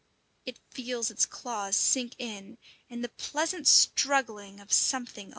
It feels its claws sink in, and the pleasant struggling of something alive.